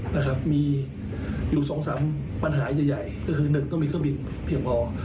นะครับมีอยู่สองสามปัญหาใหญ่ใหญ่ก็คือหนึ่งต้องมีเครื่องบินเพียงพอ